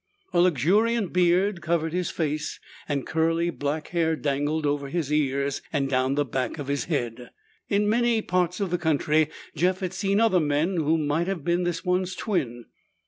A luxuriant beard covered his face, and curly black hair dangled over his ears and down the back of his head. In many parts of the country Jeff had seen other men who might have been this one's twin.